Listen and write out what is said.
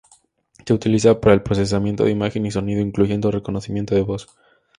Se utiliza para el procesamiento de imagen y sonido, incluyendo reconocimiento de voz.